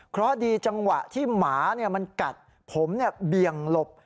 เพราะดีจังหวะที่หมามันกัดผมเบี่ยงหลบ